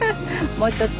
もうちょっと。